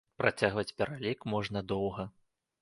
Працягваць пералік можна доўга.